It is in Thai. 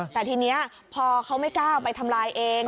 แต่ทีนี้พอเขาไม่กล้าไปทำลายเอง